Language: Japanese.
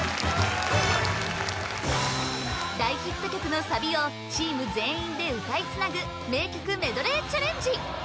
大ヒット曲のサビをチーム全員で歌いつなぐ名曲メドレーチャレンジ